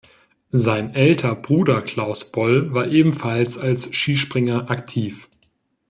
Sein älter Bruder Klaus Boll war ebenfalls als Skispringer aktiv.